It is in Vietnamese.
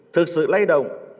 thực sự lây động